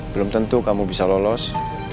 belum tentu kamu bisa lolos